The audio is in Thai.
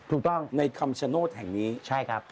ถูกต้องใช่ครับ